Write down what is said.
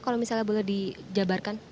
kalau misalnya boleh dijabarkan